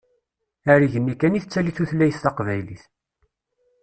Ar igenni kan i tettali tutlayt taqbaylit.